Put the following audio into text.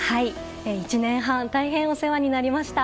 １年半大変お世話になりました。